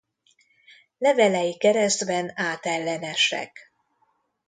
Levelei keresztben átellenesek.